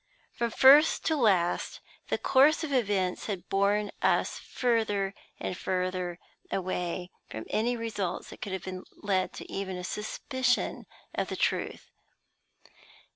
From first to last, the course of events had borne us further and further away from any results that could have led even to a suspicion of the truth.